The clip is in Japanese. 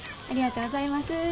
ありがとうございます。